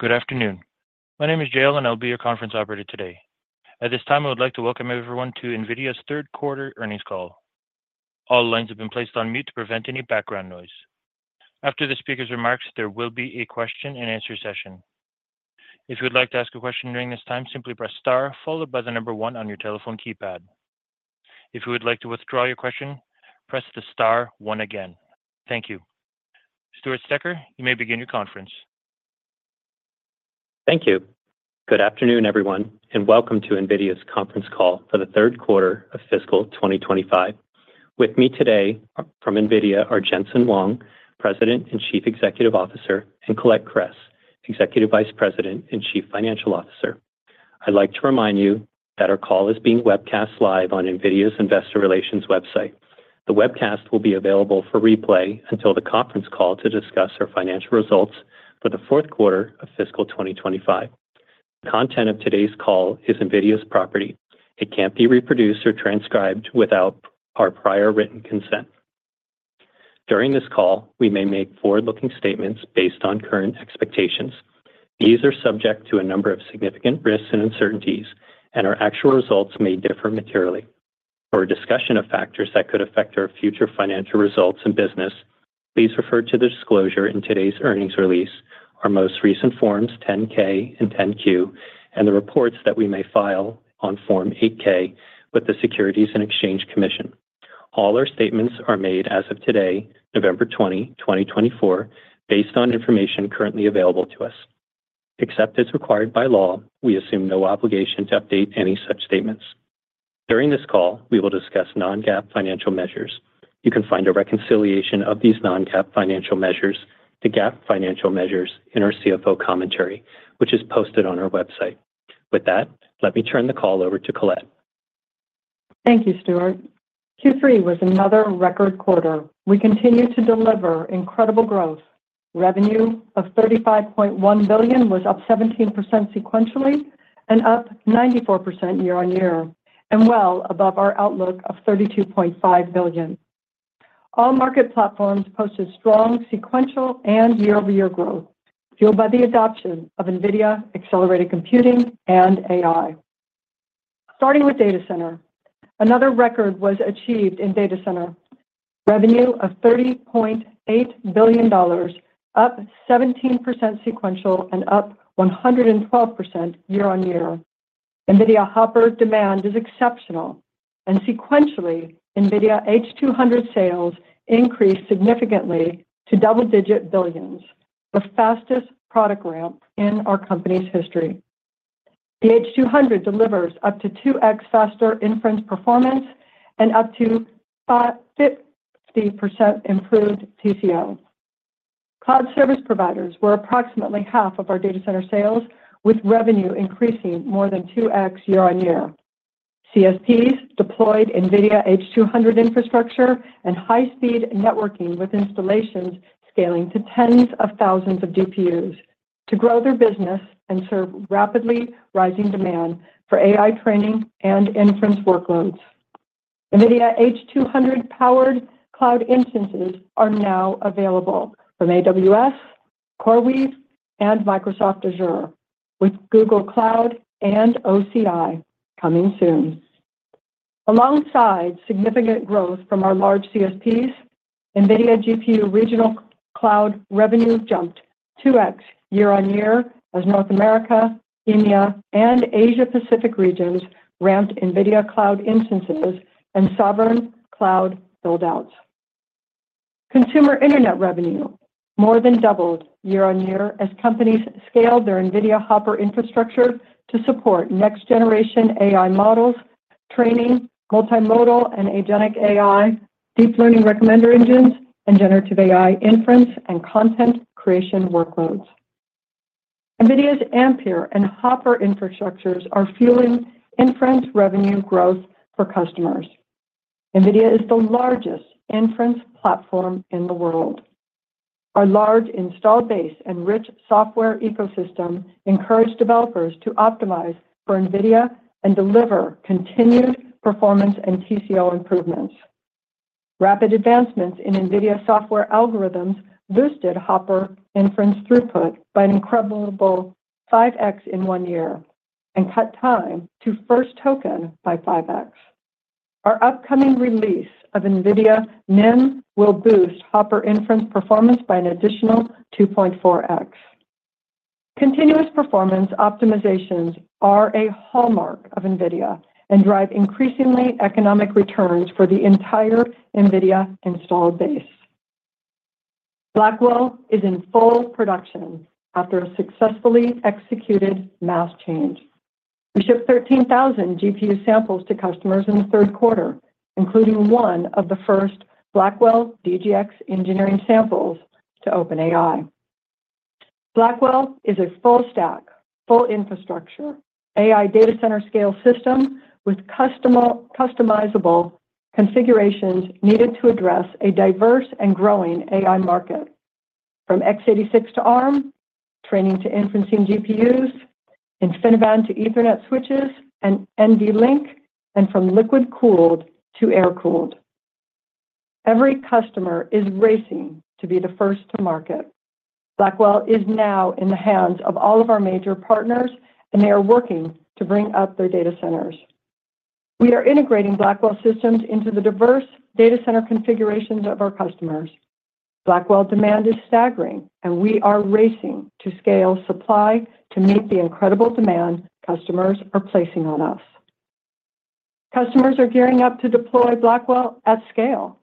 Good afternoon. My name is Jay Lunn, I'll be your conference operator today. At this time, I would like to welcome everyone to NVIDIA's third quarter earnings call. All lines have been placed on mute to prevent any background noise. After the speaker's remarks, there will be a question-and-answer session. If you would like to ask a question during this time, simply press star followed by the number one on your telephone keypad. If you would like to withdraw your question, press the star one again. Thank you. Stewart Stecker, you may begin your conference. Thank you. Good afternoon, everyone, and welcome to NVIDIA's conference call for the third quarter of fiscal 2025. With me today from NVIDIA are Jensen Huang, President and Chief Executive Officer, and Colette Kress, Executive Vice President and Chief Financial Officer. I'd like to remind you that our call is being webcast live on NVIDIA's Investor Relations website. The webcast will be available for replay until the conference call to discuss our financial results for the fourth quarter of fiscal 2025. The content of today's call is NVIDIA's property. It can't be reproduced or transcribed without our prior written consent. During this call, we may make forward-looking statements based on current expectations. These are subject to a number of significant risks and uncertainties, and our actual results may differ materially. For a discussion of factors that could affect our future financial results and business, please refer to the disclosure in today's earnings release, our most recent forms 10-K and 10-Q, and the reports that we may file on form 8K with the Securities and Exchange Commission. All our statements are made as of today, November 20, 2024, based on information currently available to us. Except as required by law, we assume no obligation to update any such statements. During this call, we will discuss non-GAAP financial measures. You can find a reconciliation of these non-GAAP financial measures to GAAP financial measures in our CFO commentary, which is posted on our website. With that, let me turn the call over to Colette. Thank you, Stewart. Q3 was another record quarter. We continue to deliver incredible growth. Revenue of $35.1 billion was up 17% sequentially and up 94% year on year, and well above our outlook of $32.5 billion. All market platforms posted strong sequential and year-over-year growth fueled by the adoption of NVIDIA accelerated computing and AI. Starting with data center, another record was achieved in data center. Revenue of $30.8 billion, up 17% sequential and up 112% year on year. NVIDIA Hopper demand is exceptional, and sequentially, NVIDIA H200 sales increased significantly to double-digit billions, the fastest product ramp in our company's history. The H200 delivers up to 2x faster inference performance and up to 50% improved TCO. Cloud service providers were approximately half of our data center sales, with revenue increasing more than 2x year on year. CSPs deployed NVIDIA H200 infrastructure and high-speed networking with installations scaling to tens of thousands of DPUs to grow their business and serve rapidly rising demand for AI training and inference workloads. NVIDIA H200-powered cloud instances are now available from AWS, CoreWeave, and Microsoft Azure, with Google Cloud and OCI coming soon. Alongside significant growth from our large CSPs, NVIDIA GPU regional cloud revenue jumped 2x year on year as North America, India, and Asia-Pacific regions ramped NVIDIA cloud instances and sovereign cloud buildouts. Consumer internet revenue more than doubled year on year as companies scaled their NVIDIA Hopper infrastructure to support next-generation AI models, training, multimodal and agentic AI, deep learning recommender engines, and generative AI inference and content creation workloads. NVIDIA's Ampere and Hopper infrastructures are fueling inference revenue growth for customers. NVIDIA is the largest inference platform in the world. Our large install base and rich software ecosystem encourage developers to optimize for NVIDIA and deliver continued performance and TCO improvements. Rapid advancements in NVIDIA software algorithms boosted Hopper inference throughput by an incredible 5x in one year and cut time to first token by 5x. Our upcoming release of NVIDIA NIM will boost Hopper inference performance by an additional 2.4x. Continuous performance optimizations are a hallmark of NVIDIA and drive increasingly economic returns for the entire NVIDIA installed base. Blackwell is in full production after a successfully executed mass change. We shipped 13,000 GPU samples to customers in the third quarter, including one of the first Blackwell DGX engineering samples to OpenAI. Blackwell is a full-stack, full-infrastructure AI data center scale system with customizable configurations needed to address a diverse and growing AI market. From x86 to ARM, training to inferencing GPUs, InfiniBand to Ethernet switches, and NVLink, and from liquid-cooled to air-cooled. Every customer is racing to be the first to market. Blackwell is now in the hands of all of our major partners, and they are working to bring up their data centers. We are integrating Blackwell systems into the diverse data center configurations of our customers. Blackwell demand is staggering, and we are racing to scale supply to meet the incredible demand customers are placing on us. Customers are gearing up to deploy Blackwell at scale.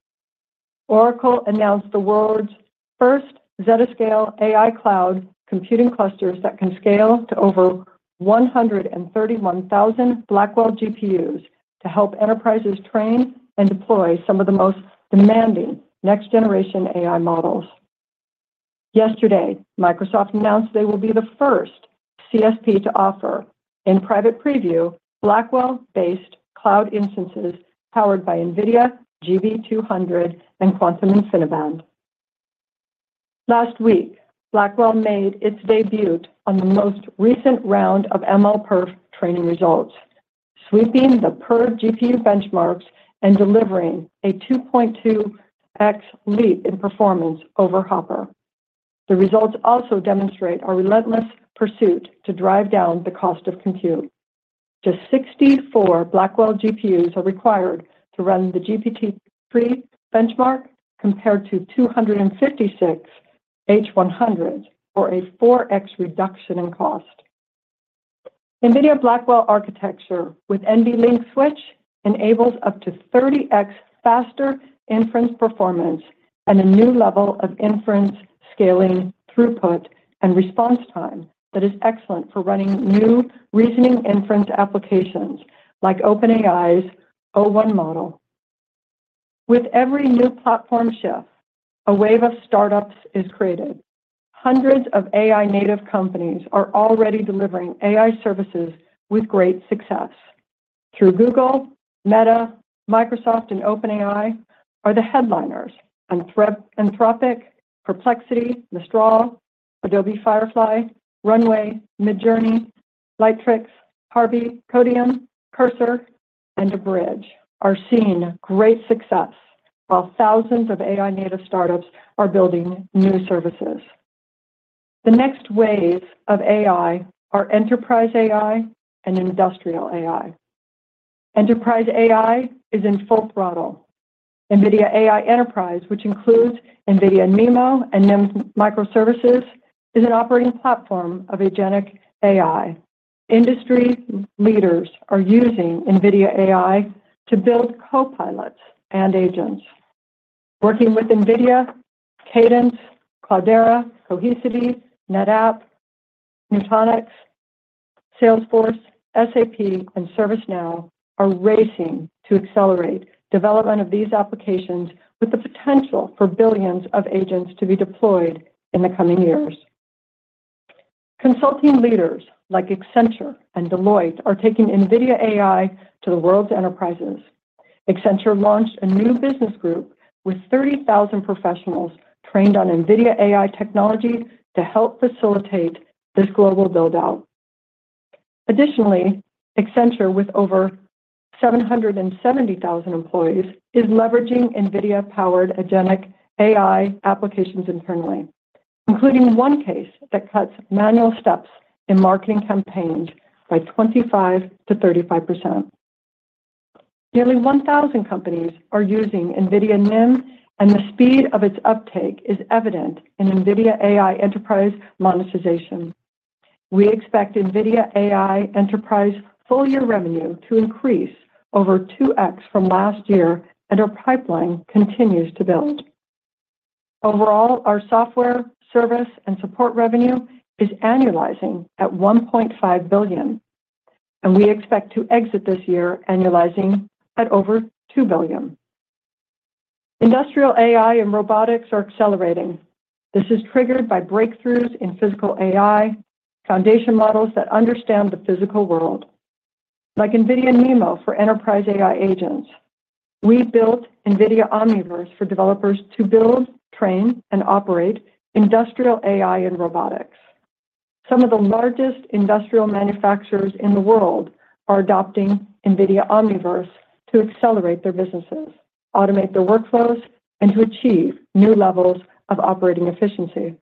Oracle announced the world's first Zettascale AI cloud computing clusters that can scale to over 131,000 Blackwell GPUs to help enterprises train and deploy some of the most demanding next-generation AI models. Yesterday, Microsoft announced they will be the first CSP to offer in private preview Blackwell-based cloud instances powered by NVIDIA GB200 and Quantum InfiniBand. Last week, Blackwell made its debut on the most recent round of MLPerf training results, sweeping the Perf GPU benchmarks and delivering a 2.2x leap in performance over Hopper. The results also demonstrate our relentless pursuit to drive down the cost of compute. Just 64 Blackwell GPUs are required to run the GPT-3 benchmark compared to 256 H100s for a 4x reduction in cost. NVIDIA Blackwell architecture with NVLink switch enables up to 30x faster inference performance and a new level of inference scaling throughput and response time that is excellent for running new reasoning inference applications like OpenAI's o1 model. With every new platform shift, a wave of startups is created. Hundreds of AI-native companies are already delivering AI services with great success. Though Google, Meta, Microsoft, and OpenAI are the headliners, and Anthropic, Perplexity, Mistral, Adobe Firefly, Runway, Midjourney, Lightricks, Harvey, Codeium, Cursor, and Bridge are seeing great success while thousands of AI-native startups are building new services. The next waves of AI are enterprise AI and industrial AI. Enterprise AI is in full throttle. NVIDIA AI Enterprise, which includes NVIDIA NeMo and NIM microservices, is an operating platform of agentic AI. Industry leaders are using NVIDIA AI to build copilots and agents. Working with NVIDIA, Cadence, Cloudera, Cohesity, NetApp, Nutanix, Salesforce, SAP, and ServiceNow are racing to accelerate development of these applications with the potential for billions of agents to be deployed in the coming years. Consulting leaders like Accenture and Deloitte are taking NVIDIA AI to the world's enterprises. Accenture launched a new business group with 30,000 professionals trained on NVIDIA AI technology to help facilitate this global buildout. Additionally, Accenture, with over 770,000 employees, is leveraging NVIDIA-powered agentic AI applications internally, including one case that cuts manual steps in marketing campaigns by 25% to 35%. Nearly 1,000 companies are using NVIDIA NIM, and the speed of its uptake is evident in NVIDIA AI Enterprise monetization. We expect NVIDIA AI Enterprise full-year revenue to increase over 2x from last year, and our pipeline continues to build. Overall, our software, service, and support revenue is annualizing at $1.5 billion, and we expect to exit this year annualizing at over $2 billion. Industrial AI and robotics are accelerating. This is triggered by breakthroughs in physical AI foundation models that understand the physical world, like NVIDIA NeMo for enterprise AI agents. We built NVIDIA Omniverse for developers to build, train, and operate industrial AI and robotics. Some of the largest industrial manufacturers in the world are adopting NVIDIA Omniverse to accelerate their businesses, automate their workflows, and to achieve new levels of operating efficiency.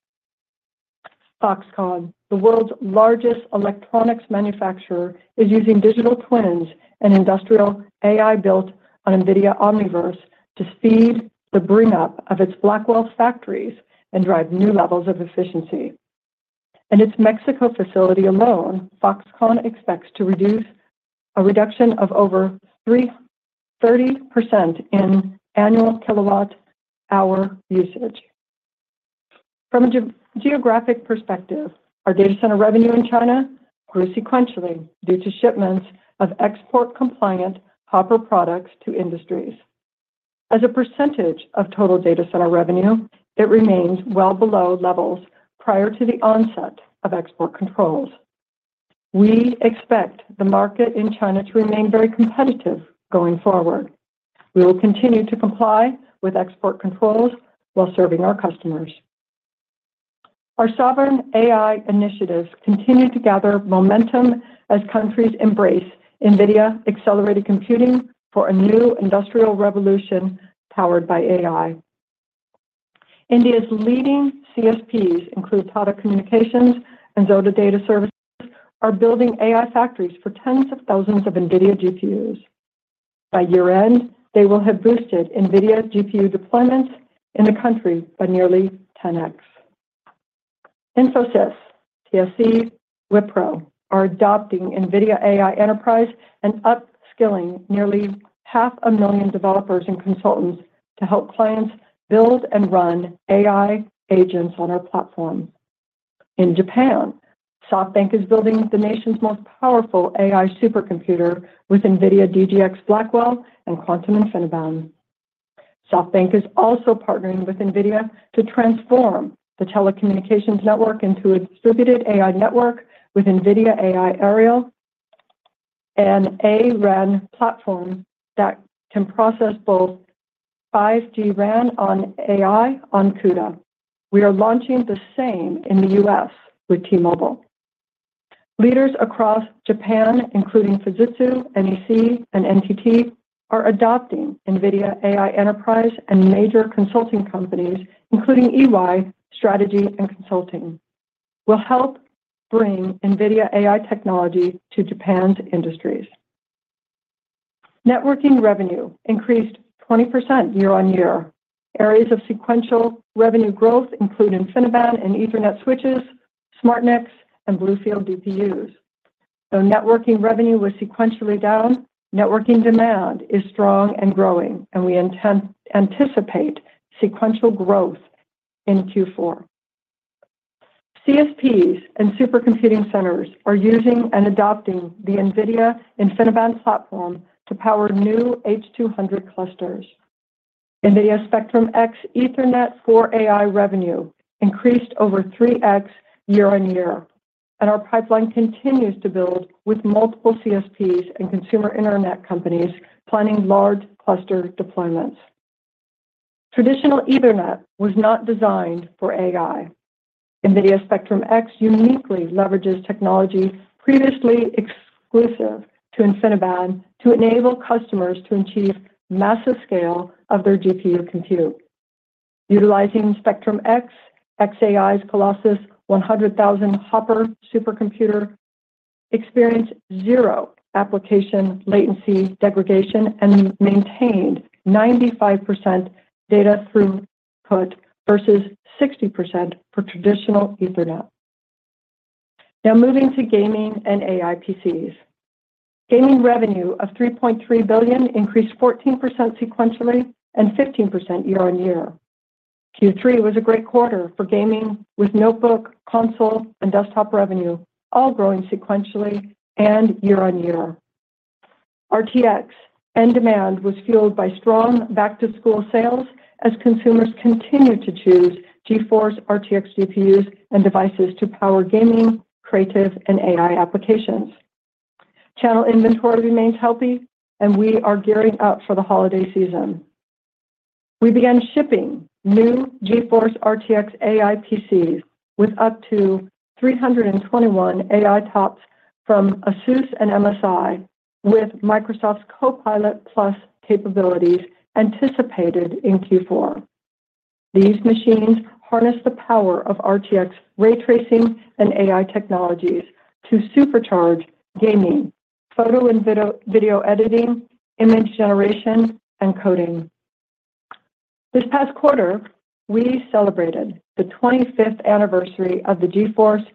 Foxconn, the world's largest electronics manufacturer, is using digital twins and industrial AI built on NVIDIA Omniverse to speed the bring-up of its Blackwell factories and drive new levels of efficiency. In its Mexico facility alone, Foxconn expects a reduction of over 30% in annual kilowatt-hour usage. From a geographic perspective, our data center revenue in China grew sequentially due to shipments of export-compliant Hopper products to industries. As a percentage of total data center revenue, it remains well below levels prior to the onset of export controls. We expect the market in China to remain very competitive going forward. We will continue to comply with export controls while serving our customers. Our sovereign AI initiatives continue to gather momentum as countries embrace NVIDIA Accelerated Computing for a new industrial revolution powered by AI. India's leading CSPs, including Tata Communications and Yotta Data Services, are building AI factories for tens of thousands of NVIDIA GPUs. By year-end, they will have boosted NVIDIA GPU deployments in the country by nearly 10x. Infosys, TCS, Wipro are adopting NVIDIA AI Enterprise and upskilling nearly 500,000 developers and consultants to help clients build and run AI agents on our platform. In Japan, SoftBank is building the nation's most powerful AI supercomputer with NVIDIA DGX Blackwell and Quantum InfiniBand. SoftBank is also partnering with NVIDIA to transform the telecommunications network into a distributed AI network with NVIDIA AI Aerial and AI-RAN platform that can process 5G RAN on AI and CUDA. We are launching the same in the U.S. with T-Mobile. Leaders across Japan, including Fujitsu, NEC, and NTT, are adopting NVIDIA AI Enterprise and major consulting companies, including EY Strategy and Consulting, to help bring NVIDIA AI technology to Japan's industries. Networking revenue increased 20% year on year. Areas of sequential revenue growth include InfiniBand and Ethernet switches, SmartNICs, and BlueField DPUs. Though networking revenue was sequentially down, networking demand is strong and growing, and we anticipate sequential growth in Q4. CSPs and supercomputing centers are using and adopting the NVIDIA InfiniBand platform to power new H200 clusters. NVIDIA Spectrum-X Ethernet for AI revenue increased over 3x year on year, and our pipeline continues to build with multiple CSPs and consumer internet companies planning large cluster deployments. Traditional Ethernet was not designed for AI. NVIDIA Spectrum-X uniquely leverages technology previously exclusive to InfiniBand to enable customers to achieve massive scale of their GPU compute. Utilizing Spectrum-X, xAI's Colossus 100,000 Hopper supercomputer experienced zero application latency degradation and maintained 95% data throughput versus 60% for traditional Ethernet. Now moving to gaming and AI PCs. Gaming revenue of $3.3 billion increased 14% sequentially and 15% year on year. Q3 was a great quarter for gaming with notebook, console, and desktop revenue, all growing sequentially and year on year. RTX and demand was fueled by strong back-to-school sales as consumers continued to choose GeForce RTX GPUs and devices to power gaming, creative, and AI applications. Channel inventory remains healthy, and we are gearing up for the holiday season. We began shipping new GeForce RTX AI PCs with up to 321 AI TOPS from ASUS and MSI, with Microsoft's Copilot+ capabilities anticipated in Q4. These machines harness the power of RTX ray tracing and AI technologies to supercharge gaming, photo and video editing, image generation, and coding. This past quarter, we celebrated the 25th anniversary of the GeForce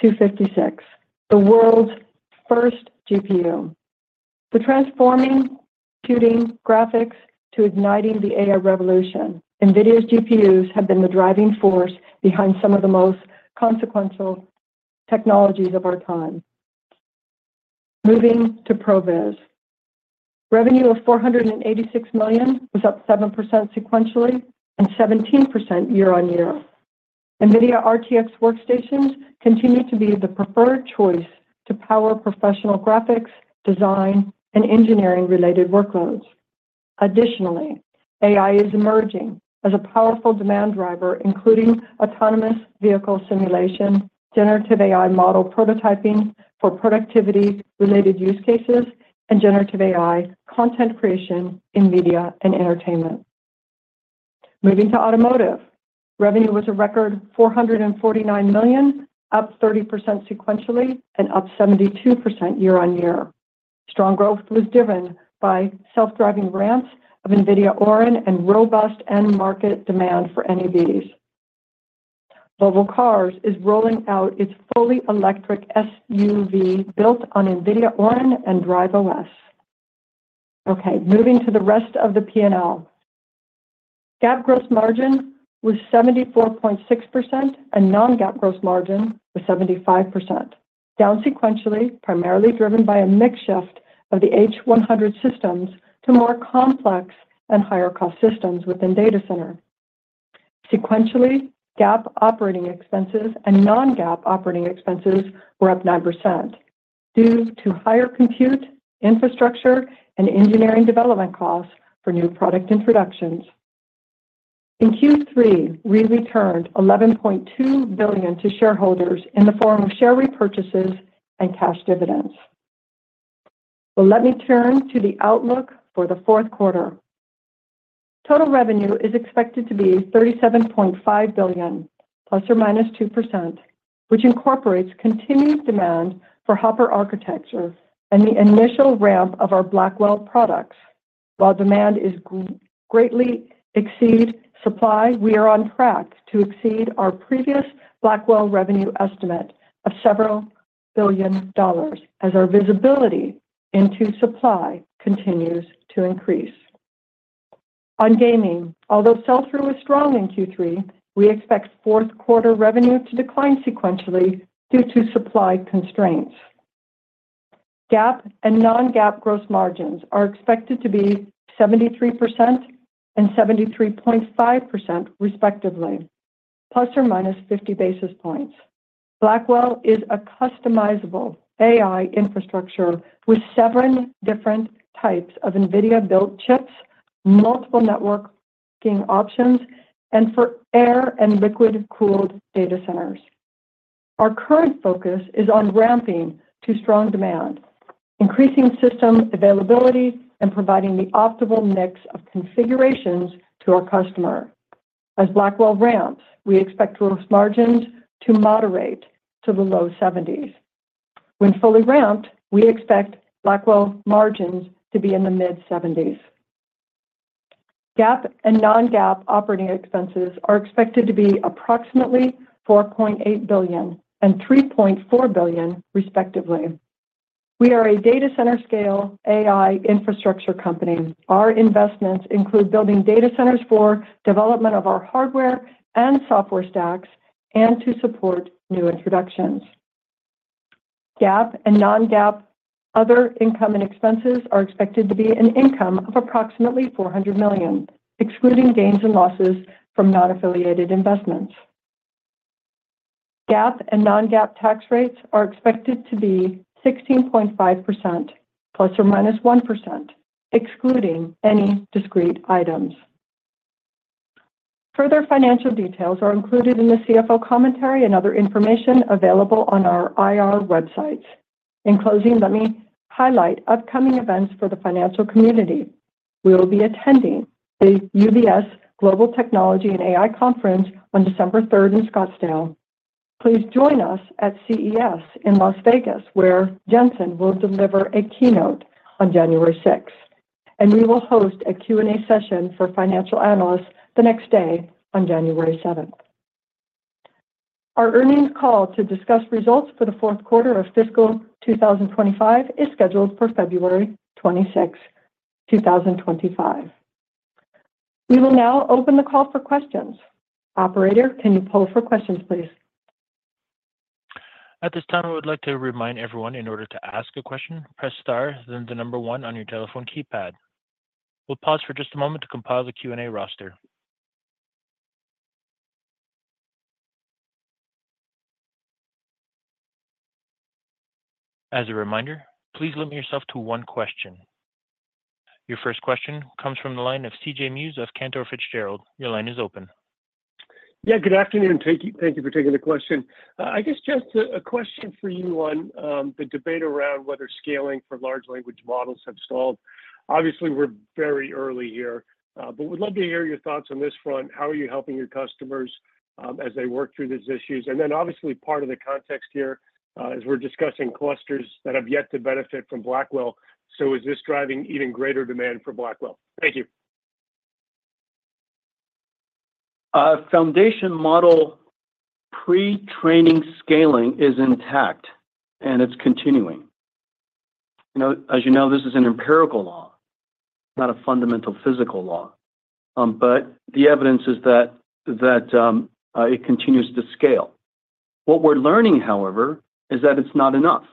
256, the world's first GPU. From transforming computing graphics to igniting the AI revolution. NVIDIA's GPUs have been the driving force behind some of the most consequential technologies of our time. Moving to ProViz. Revenue of $486 million was up 7% sequentially and 17% year on year. NVIDIA RTX workstations continue to be the preferred choice to power professional graphics, design, and engineering-related workloads. Additionally, AI is emerging as a powerful demand driver, including autonomous vehicle simulation, generative AI model prototyping for productivity-related use cases, and generative AI content creation in media and entertainment. Moving to automotive. Revenue was a record $449 million, up 30% sequentially and up 72% year on year. Strong growth was driven by self-driving ramps of NVIDIA Orin and robust end-market demand for NEVs. Volvo Cars is rolling out its fully electric SUV built on NVIDIA Orin and Drive OS. Okay, moving to the rest of the P&L. GAAP gross margin was 74.6% and non-GAAP gross margin was 75%. Down sequentially, primarily driven by a mix shift of the H100 systems to more complex and higher-cost systems within data center. Sequentially, GAAP operating expenses and non-GAAP operating expenses were up 9% due to higher compute, infrastructure, and engineering development costs for new product introductions. In Q3, we returned $11.2 billion to shareholders in the form of share repurchases and cash dividends. Well, let me turn to the outlook for the fourth quarter. Total revenue is expected to be $37.5 billion, ±2%, which incorporates continued demand for Hopper architecture and the initial ramp of our Blackwell products. While demand is greatly exceeding supply, we are on track to exceed our previous Blackwell revenue estimate of several billion dollars as our visibility into supply continues to increase. On gaming, although sell-through was strong in Q3, we expect fourth quarter revenue to decline sequentially due to supply constraints. GAAP and non-GAAP gross margins are expected to be 73% and 73.5% respectively, ±50 basis points. Blackwell is a customizable AI infrastructure with seven different types of NVIDIA-built chips, multiple networking options, and for air and liquid-cooled data centers. Our current focus is on ramping to strong demand, increasing system availability, and providing the optimal mix of configurations to our customer. As Blackwell ramps, we expect gross margins to moderate to the low 70s. When fully ramped, we expect Blackwell margins to be in the mid-70s. GAAP and non-GAAP operating expenses are expected to be approximately $4.8 billion and $3.4 billion respectively. We are a data center-scale AI infrastructure company. Our investments include building data centers for the development of our hardware and software stacks and to support new introductions. GAAP and non-GAAP other income and expenses are expected to be an income of approximately $400 million, excluding gains and losses from non-affiliated investments. GAAP and non-GAAP tax rates are expected to be 16.5%, plus or minus 1%, excluding any discrete items. Further financial details are included in the CFO commentary and other information available on our IR websites. In closing, let me highlight upcoming events for the financial community. We will be attending the UBS Global Technology and AI Conference on December 3rd in Scottsdale. Please join us at CES in Las Vegas, where Jensen will deliver a keynote on January 6th, and we will host a Q&A session for financial analysts the next day on January 7th. Our earnings call to discuss results for the fourth quarter of fiscal 2025 is scheduled for February 26, 2025. We will now open the call for questions. Operator, can you poll for questions, please? At this time, I would like to remind everyone in order to ask a question, press star, then the number one on your telephone keypad. We'll pause for just a moment to compile the Q&A roster. As a reminder, please limit yourself to one question. Your first question comes from the line of C.J. Muse of Cantor Fitzgerald. Your line is open. Yeah, good afternoon. Thank you for taking the question. I guess just a question for you on the debate around whether scaling for large language models have stalled. Obviously, we're very early here, but we'd love to hear your thoughts on this front. How are you helping your customers as they work through these issues? And then obviously, part of the context here is we're discussing clusters that have yet to benefit from Blackwell. So is this driving even greater demand for Blackwell? Thank you. Foundation model pre-training scaling is intact, and it's continuing. As you know, this is an empirical law, not a fundamental physical law, but the evidence is that it continues to scale. What we're learning, however, is that it's not enough,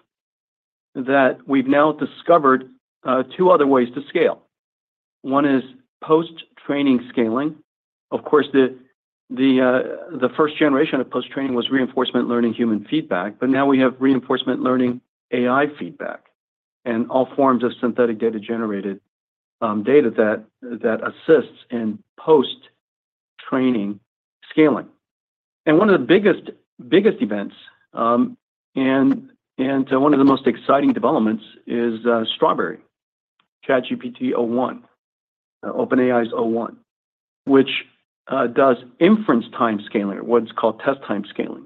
that we've now discovered two other ways to scale. One is post-training scaling. Of course, the first generation of post-training was reinforcement learning human feedback, but now we have reinforcement learning AI feedback and all forms of synthetic data-generated data that assists in post-training scaling. And one of the biggest events and one of the most exciting developments is Strawberry, ChatGPT o1, OpenAI's o1, which does inference time scaling, or what's called test time scaling.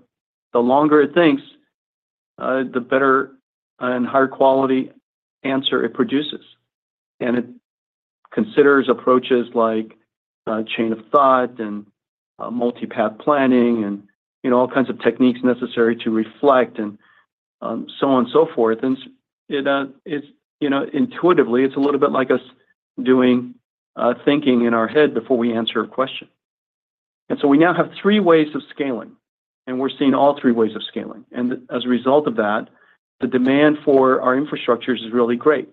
The longer it thinks, the better and higher quality answer it produces. And it considers approaches like chain of thought and multi-path planning and all kinds of techniques necessary to reflect and so on and so forth. And intuitively, it's a little bit like us doing thinking in our head before we answer a question. And so we now have three ways of scaling, and we're seeing all three ways of scaling. And as a result of that, the demand for our infrastructures is really great.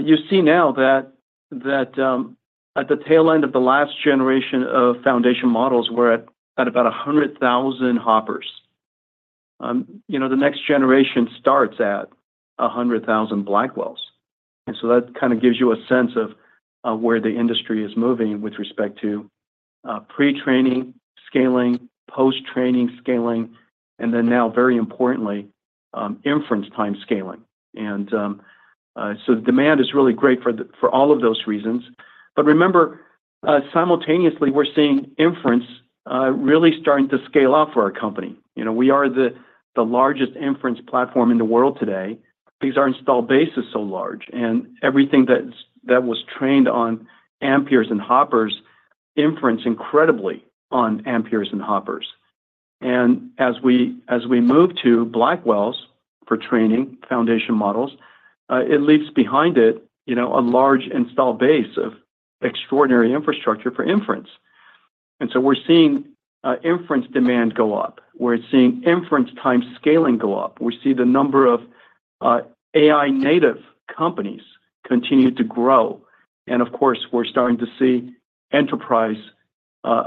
You see now that at the tail end of the last generation of foundation models, we're at about 100,000 Hoppers. The next generation starts at 100,000 Blackwells. And so that kind of gives you a sense of where the industry is moving with respect to pre-training scaling, post-training scaling, and then now, very importantly, inference time scaling. And so the demand is really great for all of those reasons. But remember, simultaneously, we're seeing inference really starting to scale up for our company. We are the largest inference platform in the world today because our installed base is so large, and everything that was trained on Amperes and Hoppers inference incredibly on Amperes and Hoppers. And as we move to Blackwells for training foundation models, it leaves behind it a large installed base of extraordinary infrastructure for inference. And so we're seeing inference demand go up. We're seeing inference time scaling go up. We see the number of AI-native companies continue to grow. And of course, we're starting to see enterprise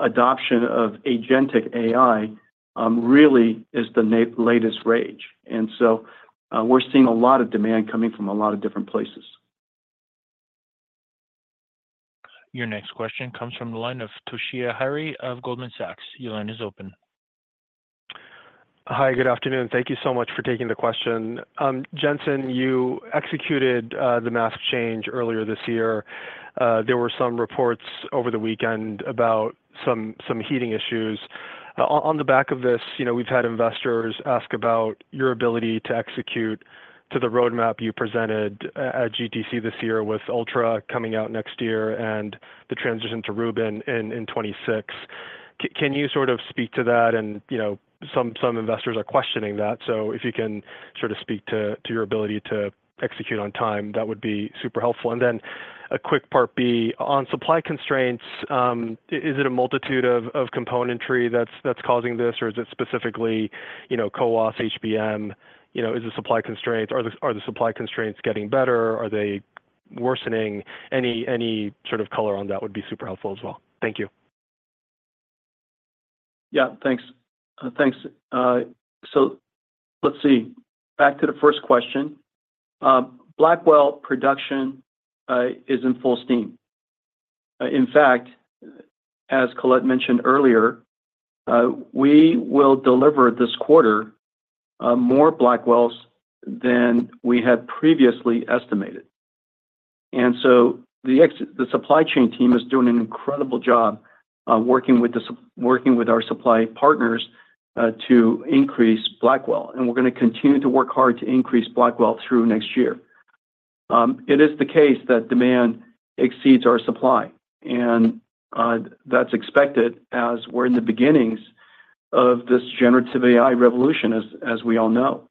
adoption of agentic AI really is the latest rage. And so we're seeing a lot of demand coming from a lot of different places. Your next question comes from the line of Toshiya Hari of Goldman Sachs. Your line is open. Hi, good afternoon. Thank you so much for taking the question. Jensen, you executed the mask change earlier this year. There were some reports over the weekend about some heating issues. On the back of this, we've had investors ask about your ability to execute to the roadmap you presented at GTC this year with Ultra coming out next year and the transition to Rubin in 2026. Can you sort of speak to that? And some investors are questioning that. So if you can sort of speak to your ability to execute on time, that would be super helpful. And then a quick part b on supply constraints. Is it a multitude of componentry that's causing this, or is it specifically CoWoS HBM? Is the supply constraints—are the supply constraints getting better? Are they worsening? Any sort of color on that would be super helpful as well. Thank you. Yeah, thanks. Thanks. So let's see. Back to the first question. Blackwell production is in full steam. In fact, as Colette mentioned earlier, we will deliver this quarter more Blackwells than we had previously estimated. And so the supply chain team is doing an incredible job working with our supply partners to increase Blackwell. And we're going to continue to work hard to increase Blackwell through next year. It is the case that demand exceeds our supply. That's expected as we're in the beginnings of this generative AI revolution, as we all know.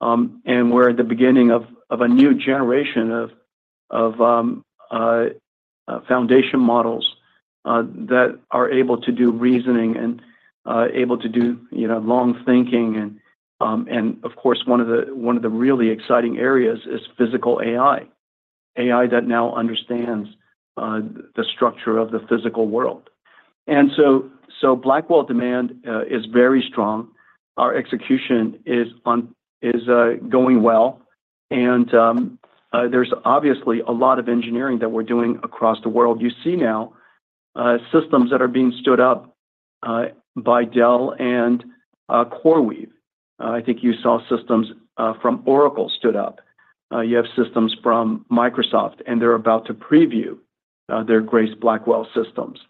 We're at the beginning of a new generation of foundation models that are able to do reasoning and able to do long thinking. Of course, one of the really exciting areas is physical AI, AI that now understands the structure of the physical world. Blackwell demand is very strong. Our execution is going well. There's obviously a lot of engineering that we're doing across the world. You see now systems that are being stood up by Dell and CoreWeave. I think you saw systems from Oracle stood up. You have systems from Microsoft, and they're about to preview their Grace Blackwell systems.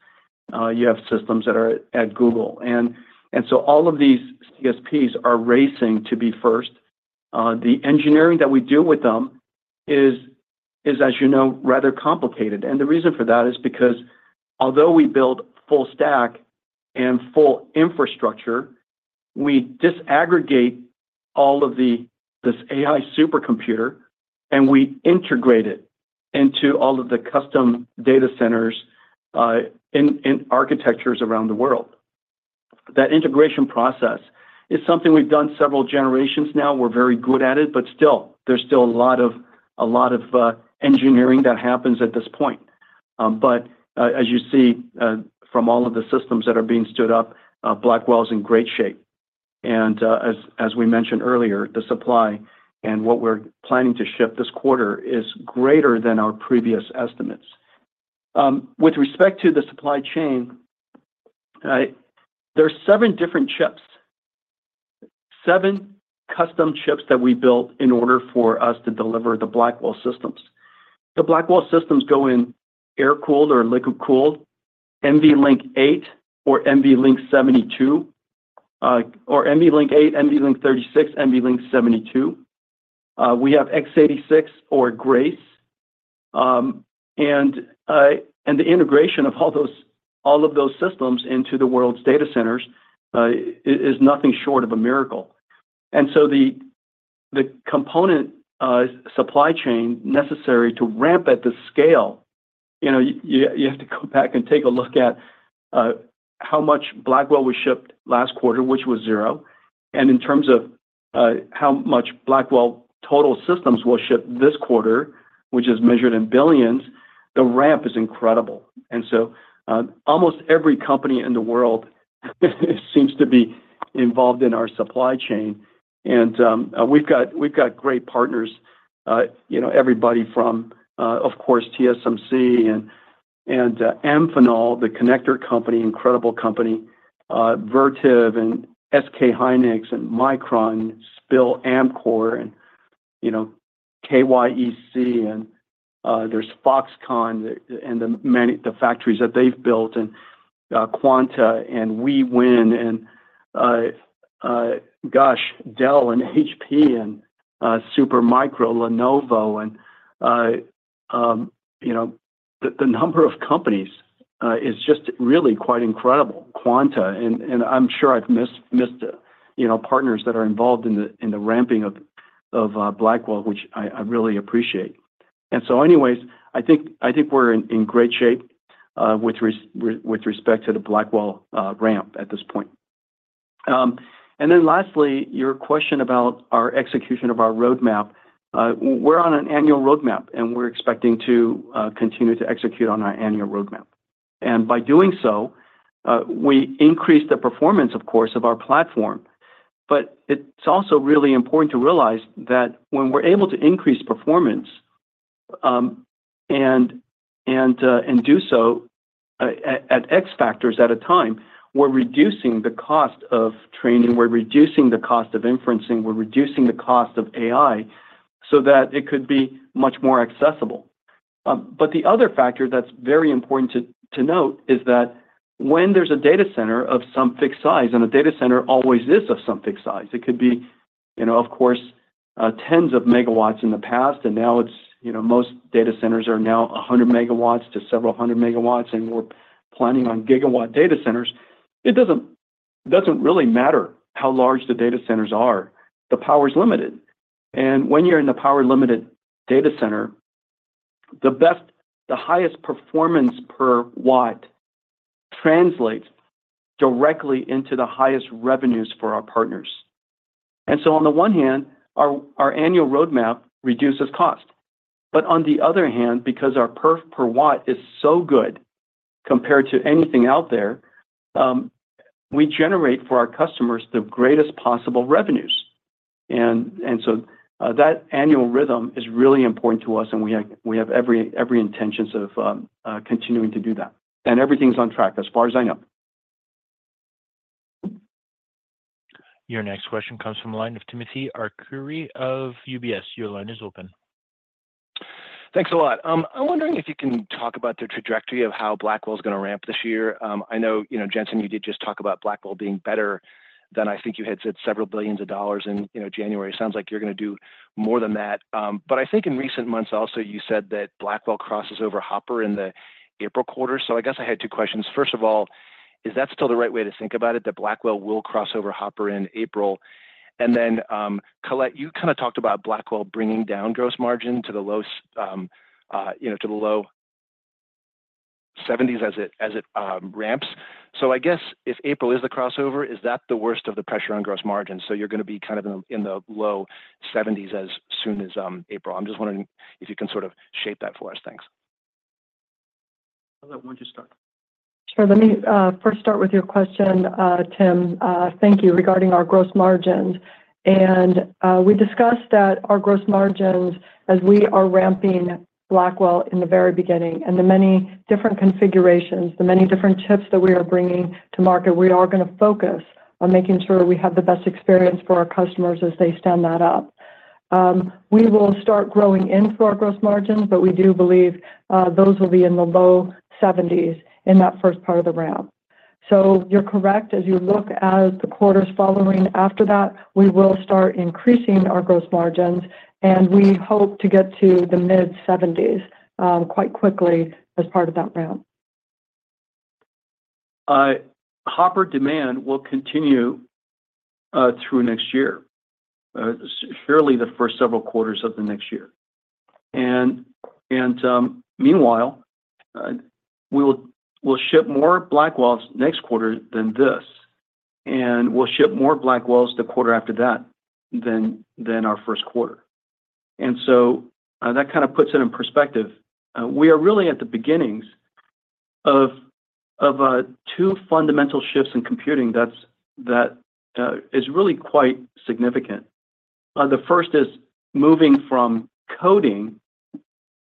You have systems that are at Google. All of these CSPs are racing to be first. The engineering that we do with them is, as you know, rather complicated. The reason for that is because although we build full stack and full infrastructure, we disaggregate all of this AI supercomputer, and we integrate it into all of the custom data centers and architectures around the world. That integration process is something we've done several generations now. We're very good at it, but still, there's a lot of engineering that happens at this point. As you see from all of the systems that are being stood up, Blackwell's in great shape. As we mentioned earlier, the supply and what we're planning to ship this quarter is greater than our previous estimates. With respect to the supply chain, there are seven different chips, seven custom chips that we built in order for us to deliver the Blackwell systems. The Blackwell systems go in air-cooled or liquid-cooled, NVLink 8 or NVLink 72, or NVLink 8, NVLink 36, NVLink 72. We have x86 or Grace, and the integration of all of those systems into the world's data centers is nothing short of a miracle, and so the component supply chain necessary to ramp at the scale, you have to go back and take a look at how much Blackwell was shipped last quarter, which was zero, and in terms of how much Blackwell total systems were shipped this quarter, which is measured in billions, the ramp is incredible, and so almost every company in the world seems to be involved in our supply chain, and we've got great partners, everybody from, of course, TSMC and Amphenol, the connector company, incredible company, Vertiv and SK Hynix and Micron, and Amkor, and KYEC. And there's Foxconn and the factories that they've built and Quanta and Wiwynn and, gosh, Dell and HP and Supermicro, Lenovo. And the number of companies is just really quite incredible. And I'm sure I've missed partners that are involved in the ramping of Blackwell, which I really appreciate. And so anyways, I think we're in great shape with respect to the Blackwell ramp at this point. And then lastly, your question about our execution of our roadmap. We're on an annual roadmap, and we're expecting to continue to execute on our annual roadmap. And by doing so, we increase the performance, of course, of our platform. But it's also really important to realize that when we're able to increase performance and do so at X factors at a time, we're reducing the cost of training. We're reducing the cost of inferencing. We're reducing the cost of AI so that it could be much more accessible. But the other factor that's very important to note is that when there's a data center of some fixed size, and a data center always is of some fixed size. It could be, of course, tens of megawatts in the past, and now most data centers are now 100 MW to 700 MW and we're planning on gigawatt data centers. It doesn't really matter how large the data centers are. The power's limited. And when you're in the power-limited data center, the highest performance per watt translates directly into the highest revenues for our partners. And so on the one hand, our annual roadmap reduces cost. But on the other hand, because our per watt is so good compared to anything out there, we generate for our customers the greatest possible revenues. And so that annual rhythm is really important to us, and we have every intention of continuing to do that. And everything's on track as far as I know. Your next question comes from the line of Timothy Arcuri of UBS. Your line is open. Thanks a lot. I'm wondering if you can talk about the trajectory of how Blackwell is going to ramp this year. I know, Jensen, you did just talk about Blackwell being better than I think you had said several billions of dollars in January. It sounds like you're going to do more than that. But I think in recent months, also, you said that Blackwell crosses over Hopper in the April quarter. So I guess I had two questions. First of all, is that still the right way to think about it, that Blackwell will cross over Hopper in April? And then, Colette, you kind of talked about Blackwell bringing down gross margin to the low 70s as it ramps. So I guess if April is the crossover, is that the worst of the pressure on gross margin? So you're going to be kind of in the low 70s as soon as April. I'm just wondering if you can sort of shape that for us. Thanks. Colette, why don't you start? Sure. Let me first start with your question, Tim. Thank you regarding our gross margins. And we discussed that our gross margins, as we are ramping Blackwell in the very beginning, and the many different configurations, the many different chips that we are bringing to market, we are going to focus on making sure we have the best experience for our customers as they stand that up. We will start growing in for our gross margins, but we do believe those will be in the low 70s in that first part of the ramp. So you're correct. As you look at the quarters following after that, we will start increasing our gross margins, and we hope to get to the mid-70s quite quickly as part of that ramp. Hopper demand will continue through next year, surely the first several quarters of the next year. And meanwhile, we'll ship more Blackwells next quarter than this, and we'll ship more Blackwells the quarter after that than our first quarter. And so that kind of puts it in perspective. We are really at the beginnings of two fundamental shifts in computing that is really quite significant. The first is moving from coding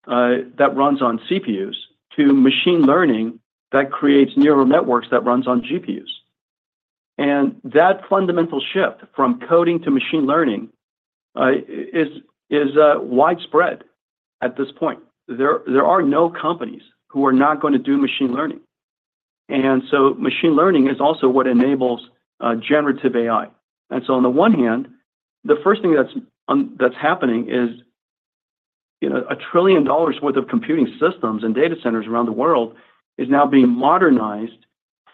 that runs on CPUs to machine learning that creates neural networks that runs on GPUs. That fundamental shift from coding to machine learning is widespread at this point. There are no companies who are not going to do machine learning. And so machine learning is also what enables generative AI. And so on the one hand, the first thing that's happening is $1 trillion worth of computing systems and data centers around the world is now being modernized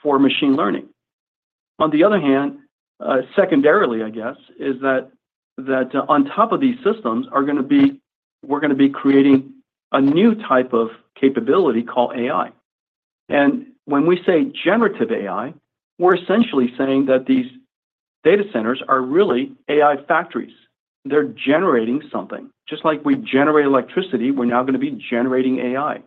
for machine learning. On the other hand, secondarily, I guess, is that on top of these systems, we're going to be creating a new type of capability called AI. And when we say generative AI, we're essentially saying that these data centers are really AI factories. They're generating something. Just like we generate electricity, we're now going to be generating AI.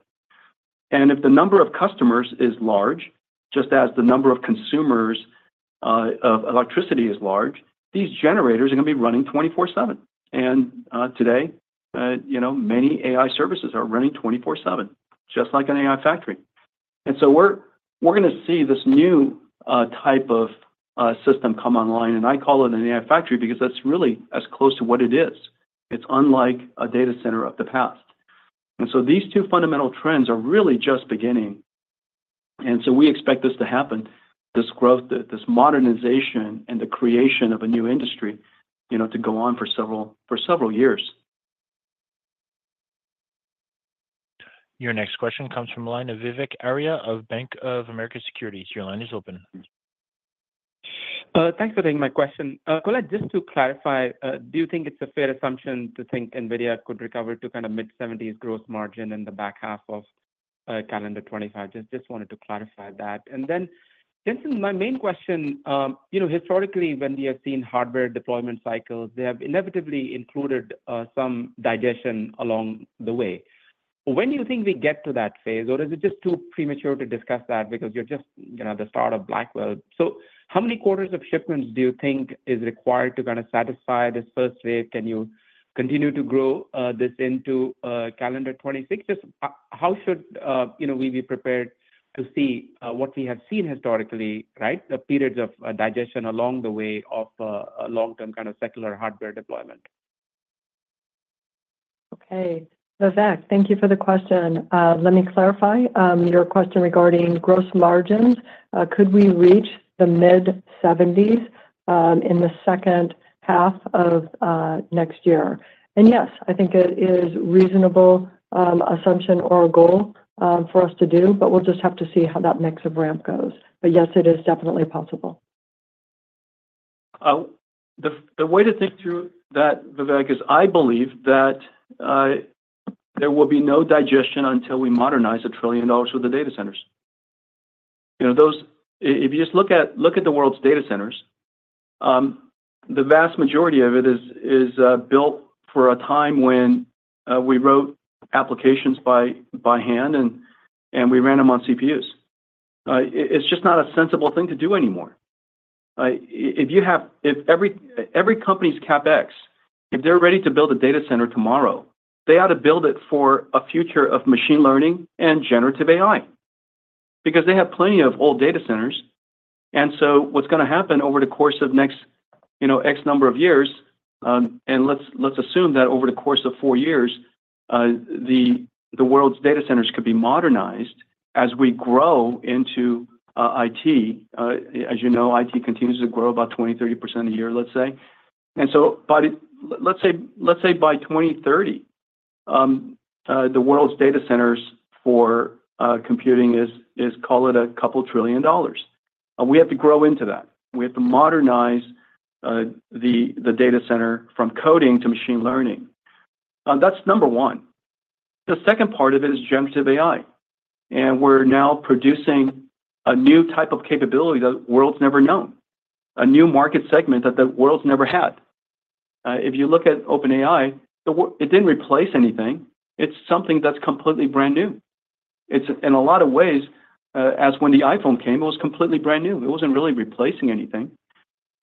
If the number of customers is large, just as the number of consumers of electricity is large, these generators are going to be running 24/7. Today, many AI services are running 24/7, just like an AI factory. We're going to see this new type of system come online. I call it an AI factory because that's really as close to what it is. It's unlike a data center of the past. These two fundamental trends are really just beginning. We expect this to happen, this growth, this modernization, and the creation of a new industry to go on for several years. Your next question comes from the line of Vivek Arya of Bank of America Securities. Your line is open. Thanks for taking my question. Colette, just to clarify, do you think it's a fair assumption to think NVIDIA could recover to kind of mid-70s gross margin in the back half of calendar 2025? Just wanted to clarify that. And then, Jensen, my main question, historically, when we have seen hardware deployment cycles, they have inevitably included some digestion along the way. When do you think we get to that phase, or is it just too premature to discuss that because you're just at the start of Blackwell? So how many quarters of shipments do you think is required to kind of satisfy this first wave? Can you continue to grow this into calendar 2026? Just how should we be prepared to see what we have seen historically, right, the periods of digestion along the way of long-term kind of secular hardware deployment? Okay. Vivek, thank you for the question. Let me clarify your question regarding gross margins. Could we reach the mid-70s in the second half of next year, and yes, I think it is a reasonable assumption or a goal for us to do, but we'll just have to see how that mix of ramp goes, but yes, it is definitely possible. The way to think through that, Vivek, is I believe that there will be no digestion until we modernize $1 trillion worth of data centers. If you just look at the world's data centers, the vast majority of it is built for a time when we wrote applications by hand, and we ran them on CPUs. It's just not a sensible thing to do anymore. If every company's CapEx, if they're ready to build a data center tomorrow, they ought to build it for a future of machine learning and generative AI because they have plenty of old data centers, and so what's going to happen over the course of next X number of years, and let's assume that over the course of four years, the world's data centers could be modernized as we grow into IT. As you know, IT continues to grow about 20%-30% a year, let's say, and so let's say by 2030, the world's data centers for computing is, call it a couple trillion dollars. We have to grow into that. We have to modernize the data center from coding to machine learning. That's number one. The second part of it is generative AI. We're now producing a new type of capability that the world's never known, a new market segment that the world's never had. If you look at OpenAI, it didn't replace anything. It's something that's completely brand new. In a lot of ways, as when the iPhone came, it was completely brand new. It wasn't really replacing anything.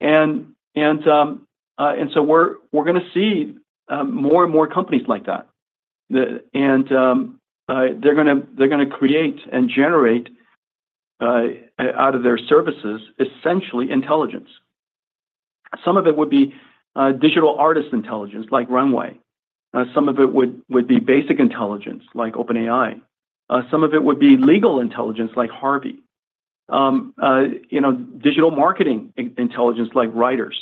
We're going to see more and more companies like that. They're going to create and generate out of their services, essentially, intelligence. Some of it would be digital artist intelligence like Runway. Some of it would be basic intelligence like OpenAI. Some of it would be legal intelligence like Harvey. Digital marketing intelligence like Writer.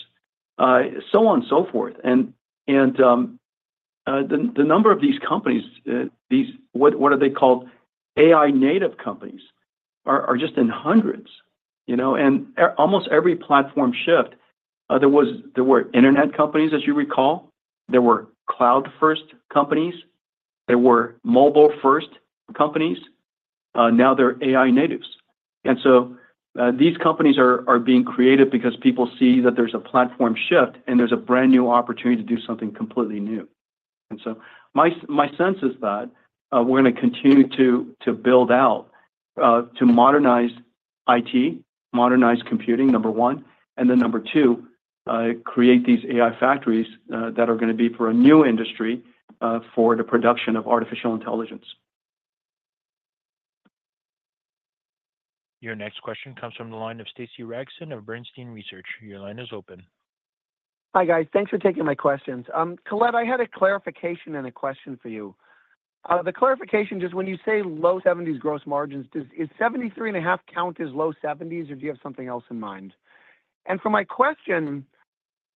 So on and so forth. The number of these companies, what are they called, AI-native companies, are just in hundreds. Almost every platform shift, there were internet companies, as you recall. There were cloud-first companies. There were mobile-first companies. Now they're AI natives. And so these companies are being created because people see that there's a platform shift, and there's a brand new opportunity to do something completely new. And so my sense is that we're going to continue to build out, to modernize IT, modernize computing, number one. And then number two, create these AI factories that are going to be for a new industry for the production of artificial intelligence. Your next question comes from the line of Stacy Rasgon of Bernstein Research. Your line is open. Hi, guys. Thanks for taking my questions. Colette, I had a clarification and a question for you. The clarification is when you say low 70s gross margins, is 73.5 count as low 70s, or do you have something else in mind? And for my question,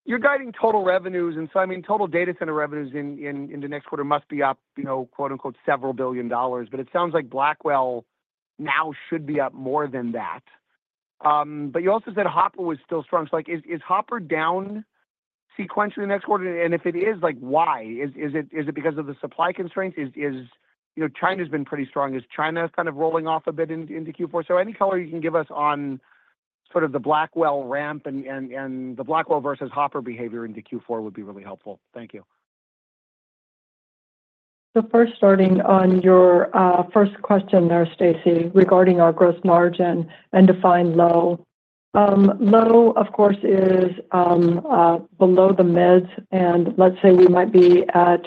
you're guiding total revenues. I mean, total data center revenues in the next quarter must be up, quote and quote, several billion dollars, but it sounds like Blackwell now should be up more than that. But you also said Hopper was still strong. So is Hopper down sequentially next quarter? And if it is, why? Is it because of the supply constraints? China has been pretty strong. Is China kind of rolling off a bit into Q4? So any color you can give us on sort of the Blackwell ramp and the Blackwell versus Hopper behavior into Q4 would be really helpful. Thank you. First, starting on your first question there, Stacy, regarding our gross margin and defining low. Low, of course, is below the mids. And let's say we might be at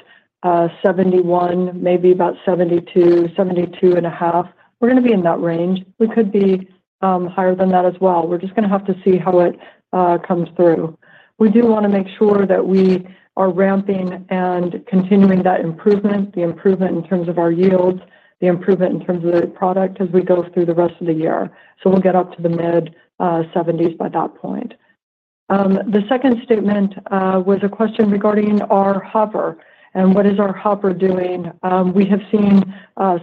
71, maybe about 72, 72.5. We're going to be in that range. We could be higher than that as well. We're just going to have to see how it comes through. We do want to make sure that we are ramping and continuing that improvement, the improvement in terms of our yields, the improvement in terms of the product as we go through the rest of the year. So we'll get up to the mid-70s by that point. The second statement was a question regarding our Hopper. And what is our Hopper doing? We have seen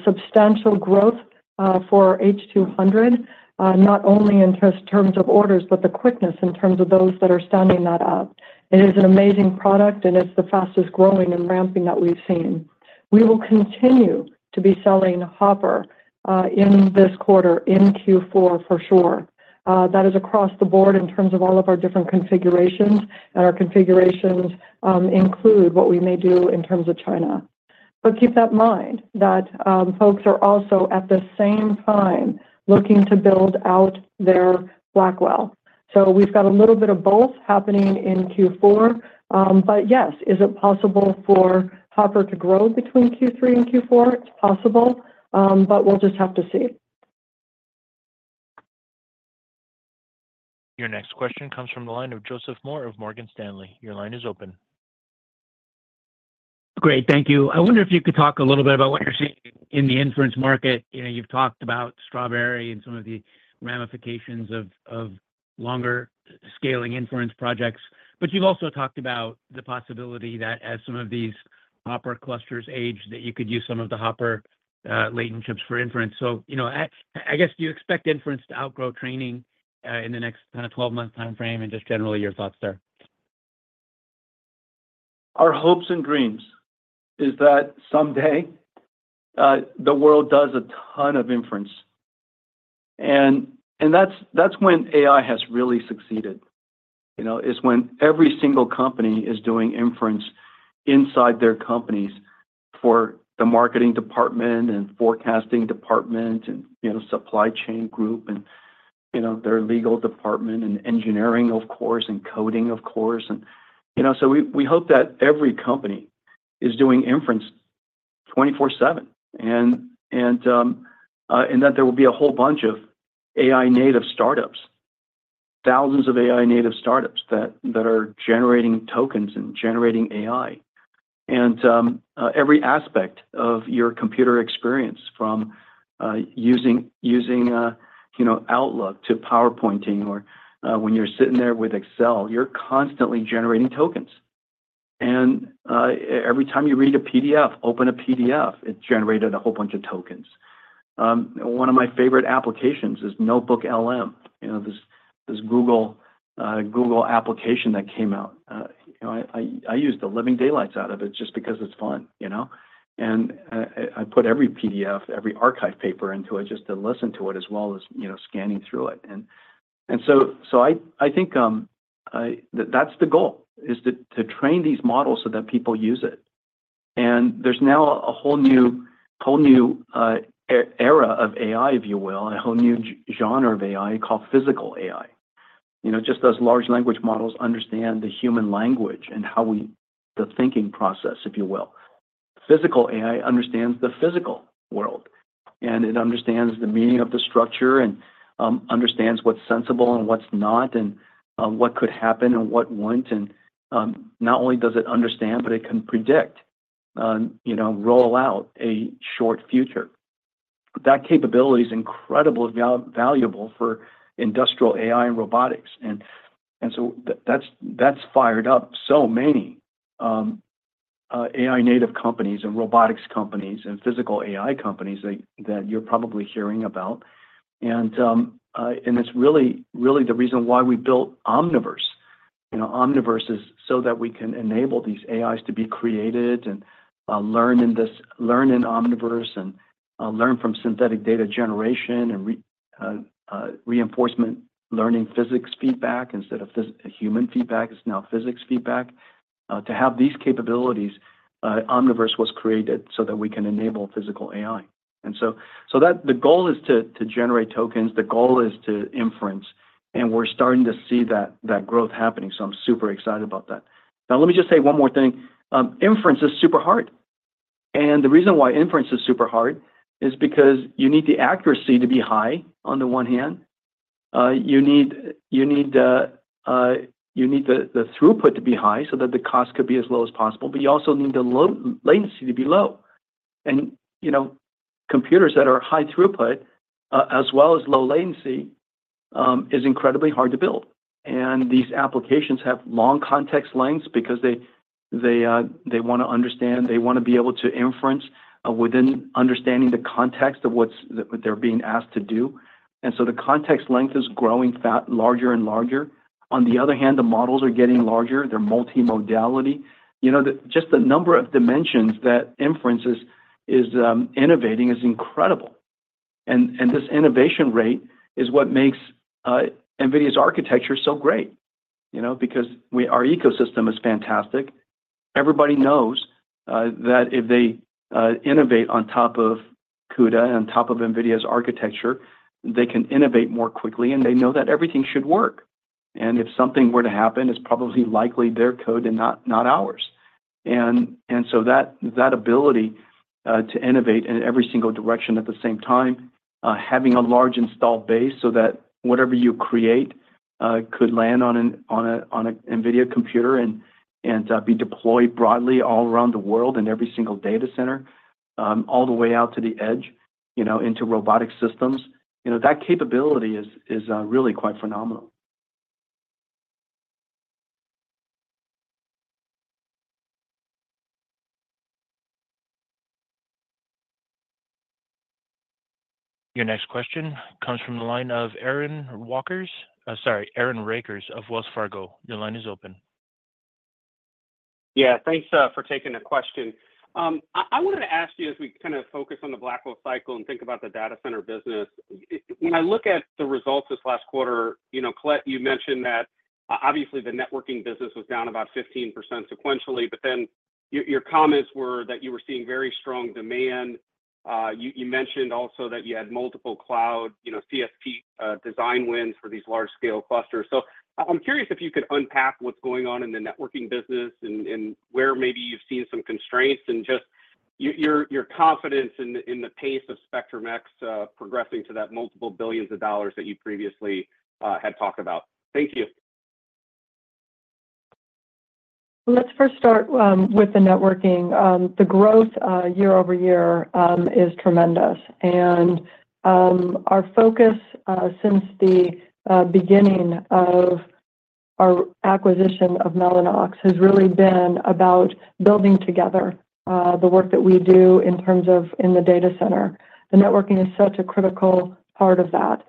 substantial growth for H200, not only in terms of orders, but the quickness in terms of those that are standing that up. It is an amazing product, and it's the fastest growing and ramping that we've seen. We will continue to be selling Hopper in this quarter in Q4 for sure. That is across the board in terms of all of our different configurations, and our configurations include what we may do in terms of China. But keep that in mind that folks are also at the same time looking to build out their Blackwell. So we've got a little bit of both happening in Q4. But yes, is it possible for Hopper to grow between Q3 and Q4? It's possible, but we'll just have to see. Your next question comes from the line of Joseph Moore of Morgan Stanley. Your line is open. Great. Thank you. I wonder if you could talk a little bit about what you're seeing in the inference market. You've talked about Strawberry and some of the ramifications of longer scaling inference projects. But you've also talked about the possibility that as some of these Hopper clusters age, that you could use some of the Hopper latent chips for inference. So I guess, do you expect inference to outgrow training in the next kind of 12-month timeframe? And just generally, your thoughts there. Our hopes and dreams is that someday the world does a ton of inference. And that's when AI has really succeeded. It's when every single company is doing inference inside their companies for the marketing department and forecasting department and supply chain group and their legal department and engineering, of course, and coding, of course. And so we hope that every company is doing inference 24/7 and that there will be a whole bunch of AI-native startups, thousands of AI-native startups that are generating tokens and generating AI. Every aspect of your computer experience, from using Outlook to PowerPointing or when you're sitting there with Excel, you're constantly generating tokens. Every time you read a PDF, open a PDF, it generated a whole bunch of tokens. One of my favorite applications is NotebookLM, this Google application that came out. I used the living daylights out of it just because it's fun. I put every PDF, every archive paper into it just to listen to it as well as scanning through it. So I think that's the goal, is to train these models so that people use it. There's now a whole new era of AI, if you will, a whole new genre of AI called Physical AI. Just those large language models understand the human language and the thinking process, if you will. Physical AI understands the physical world. It understands the meaning of the structure and understands what's sensible and what's not, and what could happen and what wouldn't. Not only does it understand, but it can predict and roll out a short future. That capability is incredibly valuable for industrial AI and robotics. That's fired up so many AI-native companies, robotics companies, and Physical AI companies that you're probably hearing about. It's really the reason why we built Omniverse. Omniverse is so that we can enable these AIs to be created and learn in Omniverse and learn from synthetic data generation and reinforcement learning physics feedback instead of human feedback. It's now physics feedback. To have these capabilities, Omniverse was created so that we can enable physical AI. The goal is to generate tokens. The goal is to inference. We're starting to see that growth happening. So I'm super excited about that. Now, let me just say one more thing. Inference is super hard. And the reason why inference is super hard is because you need the accuracy to be high on the one hand. You need the throughput to be high so that the cost could be as low as possible. But you also need the latency to be low. And computers that are high throughput as well as low latency is incredibly hard to build. And these applications have long context lengths because they want to understand. They want to be able to inference within understanding the context of what they're being asked to do. And so the context length is growing larger and larger. On the other hand, the models are getting larger. They're multi-modality. Just the number of dimensions that inference is innovating is incredible. This innovation rate is what makes NVIDIA's architecture so great because our ecosystem is fantastic. Everybody knows that if they innovate on top of CUDA and on top of NVIDIA's architecture, they can innovate more quickly, and they know that everything should work. And if something were to happen, it's probably likely their code and not ours. And so that ability to innovate in every single direction at the same time, having a large install base so that whatever you create could land on an NVIDIA computer and be deployed broadly all around the world in every single data center, all the way out to the edge into robotic systems, that capability is really quite phenomenal. Your next question comes from the line of Aaron Rakers. Sorry, Aaron Rakers of Wells Fargo. Your line is open. Yeah. Thanks for taking the question. I wanted to ask you, as we kind of focus on the Blackwell cycle and think about the data center business, when I look at the results this last quarter, Colette, you mentioned that obviously the networking business was down about 15% sequentially. But then your comments were that you were seeing very strong demand. You mentioned also that you had multiple cloud CSP design wins for these large-scale clusters. So I'm curious if you could unpack what's going on in the networking business and where maybe you've seen some constraints and just your confidence in the pace of Spectrum-X progressing to that multiple billions of dollars that you previously had talked about. Thank you. Let's first start with the networking. The growth year-over-year is tremendous. Our focus since the beginning of our acquisition of Mellanox has really been about building together the work that we do in terms of in the data center. The networking is such a critical part of that.